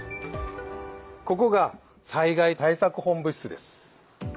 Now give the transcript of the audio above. ここが災害対策本部室です。